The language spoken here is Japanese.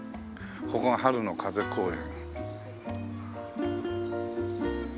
ここが春の風公園。